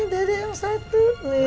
dada yang satu